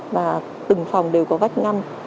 và từng phòng đều có vách ngăn